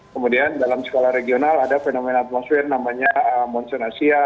kemudian dalam skala regional ada fenomena atmosfer namanya monsoon asia